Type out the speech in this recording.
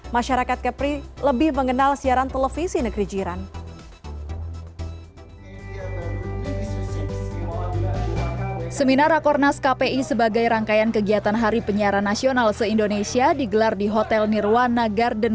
masyarakat kepri lebih mengenal siaran televisi negeri jiran